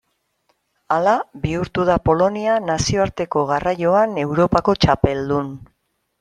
Hala bihurtu da Polonia nazioarteko garraioan Europako txapeldun.